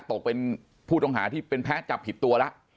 ตกเป็นผู้ต้องหาที่เป็นแพ้จับผิดตัวแล้ว